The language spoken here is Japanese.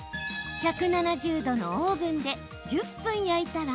１７０度のオーブンで１０分焼いたら